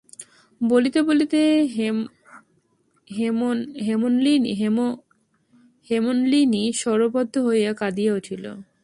বলিতে বলিতে হেমনলিনী স্বরবদ্ধ হইয়া কাঁদিয়া উঠিল।